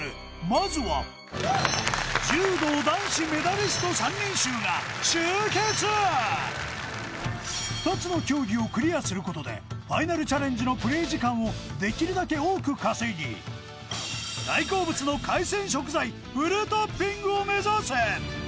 まずは柔道男子メダリスト３人衆が集結２つの競技をクリアすることでファイナルチャレンジのプレイ時間をできるだけ多く稼ぎ大好物の海鮮食材フルトッピングを目指せ！